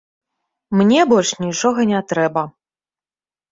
Мне больш нічога не трэба.